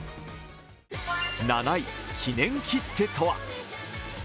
７位、記念切手とは。